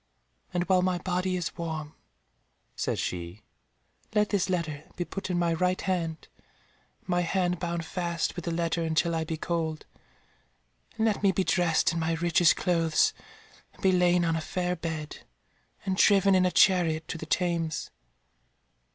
"And while my body is warm," said she, "let this letter be put in my right hand, and my hand bound fast with the letter until I be cold, and let me be dressed in my richest clothes and be lain on a fair bed, and driven in a chariot to the Thames.